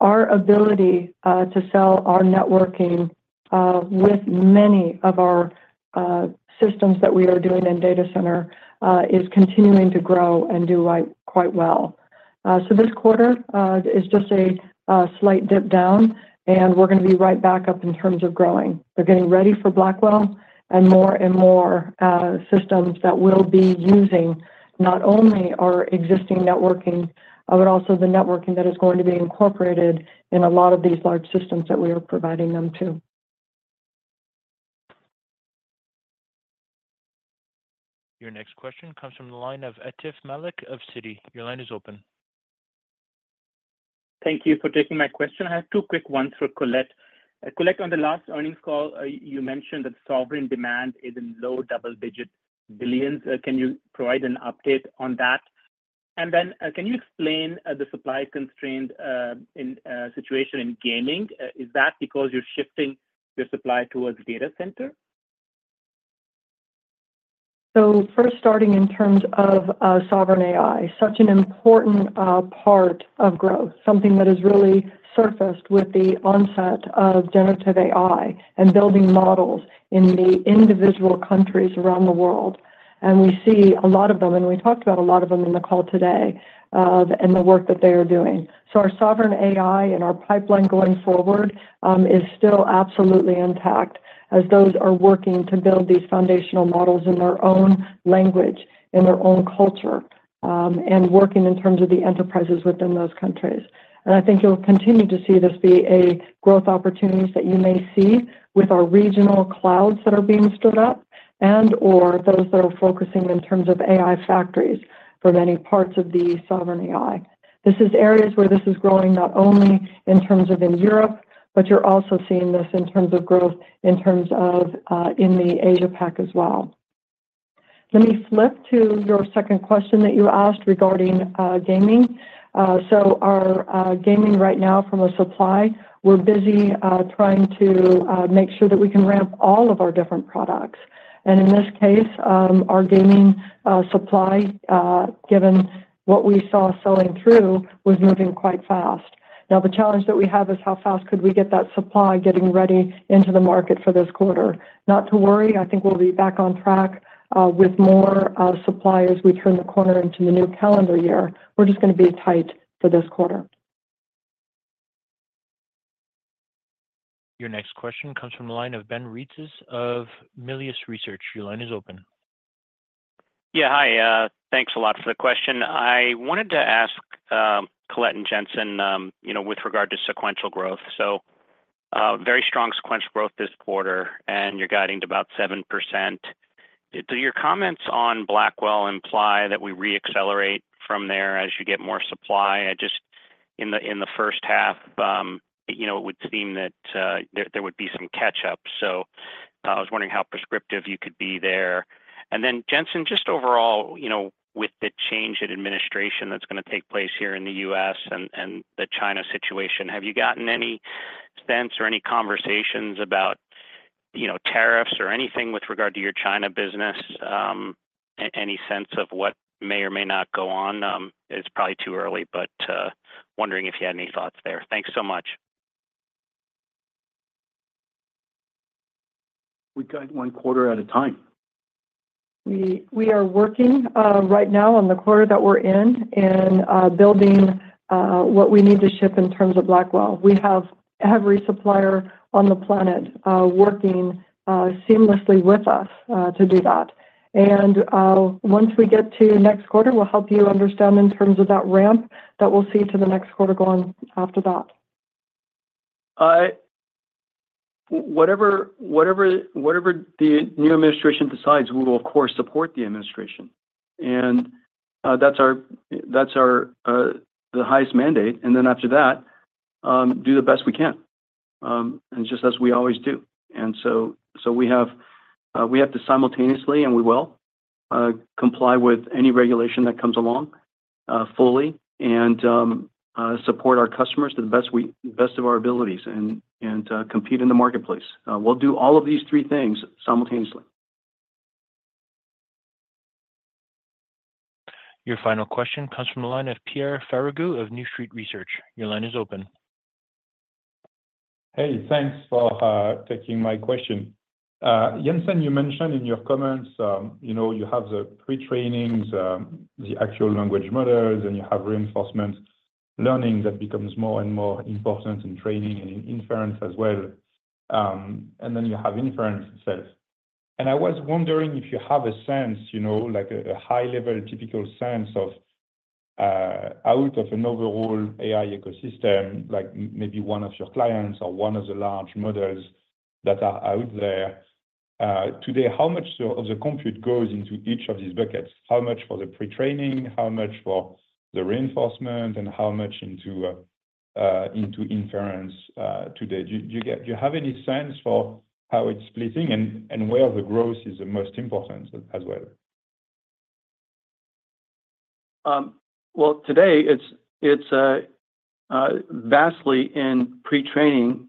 Our ability to sell our networking with many of our systems that we are doing in data center is continuing to grow and do quite well. So this quarter is just a slight dip down, and we're going to be right back up in terms of growing. They're getting ready for Blackwell and more and more systems that will be using not only our existing networking, but also the networking that is going to be incorporated in a lot of these large systems that we are providing them to. Your next question comes from the line of Atif Malik of Citi. Your line is open. Thank you for taking my question. I have two quick ones for Colette. Colette, on the last earnings call, you mentioned that sovereign demand is in low double-digit billions. Can you provide an update on that? And then can you explain the supply constraint situation in gaming? Is that because you're shifting your supply towards data center? So first, starting in terms of sovereign AI, such an important part of growth, something that has really surfaced with the onset of generative AI and building models in the individual countries around the world. And we see a lot of them, and we talked about a lot of them in the call today and the work that they are doing. So our sovereign AI and our pipeline going forward is still absolutely intact as those are working to build these foundational models in their own language, in their own culture, and working in terms of the enterprises within those countries. And I think you'll continue to see this be a growth opportunity that you may see with our regional clouds that are being stood up and/or those that are focusing in terms of AI factories for many parts of the sovereign AI. This is areas where this is growing not only in terms of in Europe, but you're also seeing this in terms of growth in terms of in the Asia-Pacific as well. Let me flip to your second question that you asked regarding gaming. So our gaming right now from a supply, we're busy trying to make sure that we can ramp all of our different products. And in this case, our gaming supply, given what we saw selling through, was moving quite fast. Now, the challenge that we have is how fast could we get that supply getting ready into the market for this quarter? Not to worry, I think we'll be back on track with more supply as we turn the corner into the new calendar year. We're just going to be tight for this quarter. Your next question comes from the line of Ben Reitzes of Melius Research. Your line is open. Yeah. Hi. Thanks a lot for the question. I wanted to ask Colette and Jensen with regard to sequential growth. So very strong sequential growth this quarter, and you're guiding to about 7%. Do your comments on Blackwell imply that we re-accelerate from there as you get more supply? Just in the first half, it would seem that there would be some catch-up. So I was wondering how prescriptive you could be there. And then, Jensen, just overall, with the change in administration that's going to take place here in the U.S. and the China situation, have you gotten any sense or any conversations about tariffs or anything with regard to your China business? Any sense of what may or may not go on? It's probably too early, but wondering if you had any thoughts there. Thanks so much. We got one quarter at a time. We are working right now on the quarter that we're in and building what we need to ship in terms of Blackwell. We have every supplier on the planet working seamlessly with us to do that. And once we get to next quarter, we'll help you understand in terms of that ramp that we'll see to the next quarter going after that. Whatever the new administration decides, we will, of course, support the administration. And that's the highest mandate. And then after that, do the best we can, just as we always do. And so we have to simultaneously, and we will, comply with any regulation that comes along fully and support our customers to the best of our abilities and compete in the marketplace. We'll do all of these three things simultaneously. Your final question comes from the line of Pierre Ferragu of New Street Research. Your line is open. Hey, thanks for taking my question. Jensen, you mentioned in your comments you have the pre-training, the actual language models, and you have reinforcement learning that becomes more and more important in training and in inference as well. And then you have inference itself. And I was wondering if you have a sense, a high-level typical sense of out of an overall AI ecosystem, maybe one of your clients or one of the large models that are out there. Today, how much of the compute goes into each of these buckets? How much for the pre-training, how much for the reinforcement, and how much into inference today? Do you have any sense for how it's splitting and where the growth is the most important as well? Well, today, it's vastly in pre-training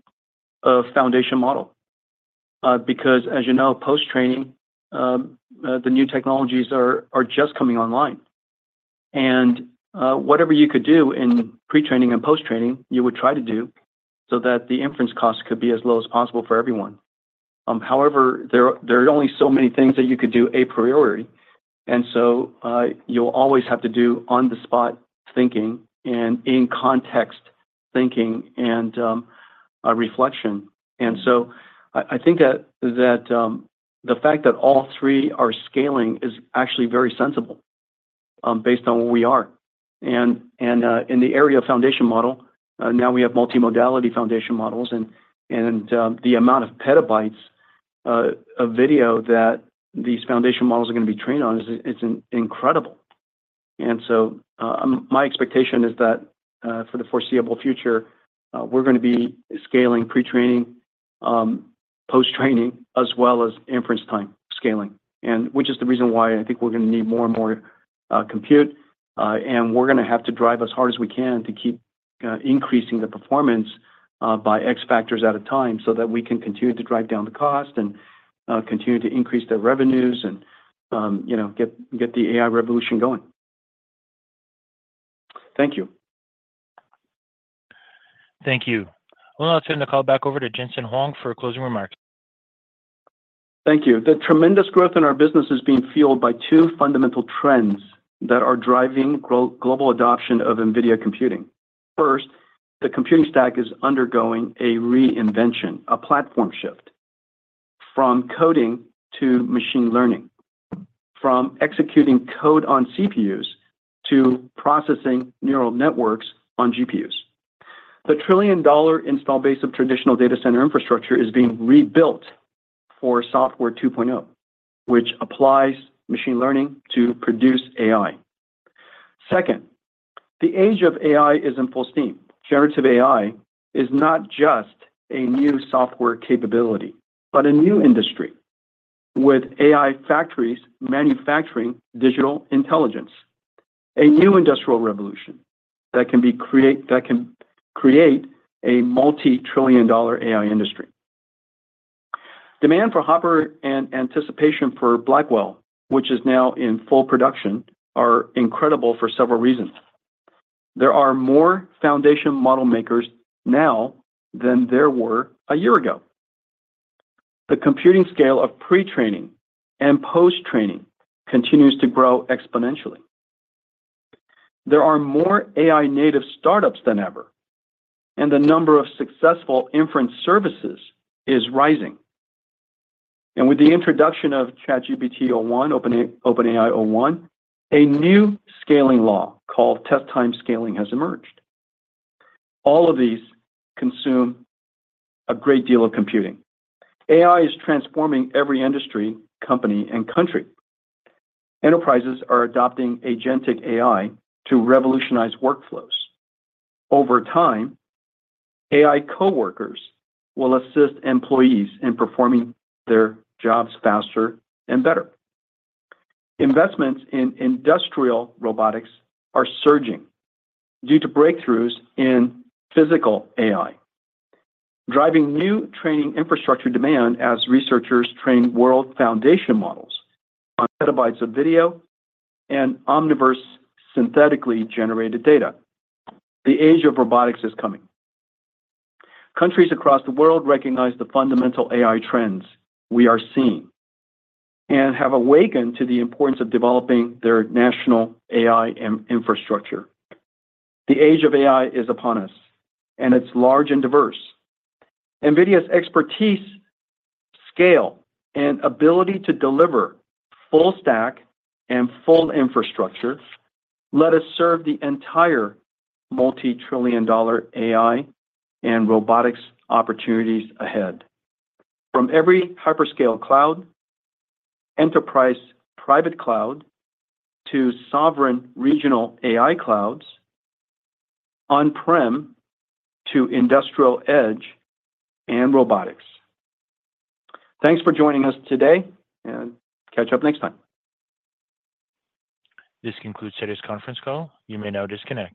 of foundation model because, as you know, post-training, the new technologies are just coming online. And whatever you could do in pre-training and post-training, you would try to do so that the inference cost could be as low as possible for everyone. However, there are only so many things that you could do a priori. And so you'll always have to do on-the-spot thinking and in-context thinking and reflection. And so I think that the fact that all three are scaling is actually very sensible based on where we are. And in the area of foundation model, now we have multimodal foundation models. And the amount of petabytes of video that these foundation models are going to be trained on is incredible. And so my expectation is that for the foreseeable future, we're going to be scaling pre-training, post-training, as well as inference time scaling, which is the reason why I think we're going to need more and more compute. And we're going to have to drive as hard as we can to keep increasing the performance by X factors at a time so that we can continue to drive down the cost and continue to increase the revenues and get the AI revolution going. Thank you. Thank you. I'll turn the call back over to Jensen Huang for a closing remark. Thank you. The tremendous growth in our business is being fueled by two fundamental trends that are driving global adoption of NVIDIA computing. First, the computing stack is undergoing a reinvention, a platform shift from coding to machine learning, from executing code on CPUs to processing neural networks on GPUs. The trillion-dollar install base of traditional data center infrastructure is being rebuilt for software 2.0, which applies machine learning to produce AI. Second, the age of AI is in full swing. Generative AI is not just a new software capability, but a new industry with AI factories manufacturing digital intelligence, a new industrial revolution that can create a multi-trillion-dollar AI industry. Demand for Hopper and anticipation for Blackwell, which is now in full production, are incredible for several reasons. There are more foundation model makers now than there were a year ago. The computing scale of pre-training and post-training continues to grow exponentially. There are more AI-native startups than ever, and the number of successful inference services is rising. With the introduction of ChatGPT o1, OpenAI o1, a new scaling law called test-time scaling has emerged. All of these consume a great deal of computing. AI is transforming every industry, company, and country. Enterprises are adopting agentic AI to revolutionize workflows. Over time, AI coworkers will assist employees in performing their jobs faster and better. Investments in industrial robotics are surging due to breakthroughs in physical AI, driving new training infrastructure demand as researchers train world foundation models on petabytes of video and Omniverse synthetically generated data. The age of robotics is coming. Countries across the world recognize the fundamental AI trends we are seeing and have awakened to the importance of developing their national AI infrastructure. The age of AI is upon us, and it's large and diverse. NVIDIA's expertise, scale, and ability to deliver full stack and full infrastructure let us serve the entire multi-trillion-dollar AI and robotics opportunities ahead. From every hyperscale cloud, enterprise private cloud, to sovereign regional AI clouds, on-prem, to industrial edge, and robotics. Thanks for joining us today, and catch up next time. This concludes today's conference call. You may now disconnect.